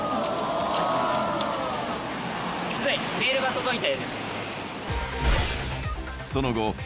メールが届いたようです。